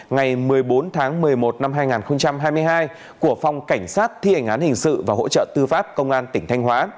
ngày một mươi bốn tháng một mươi một năm hai nghìn hai mươi hai của phòng cảnh sát thi hành án hình sự và hỗ trợ tư pháp công an tỉnh thanh hóa